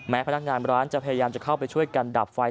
พนักงานร้านจะพยายามจะเข้าไปช่วยกันดับไฟ